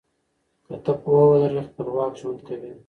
که ته پوهه ولرې خپلواک ژوند کوې.